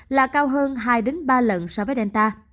là cao hơn hai ba lần so với delta